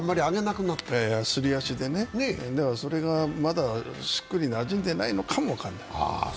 すり足でね、それがまだしっくり馴染んでないのかもしれない。